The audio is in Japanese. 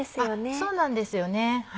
そうなんですよね。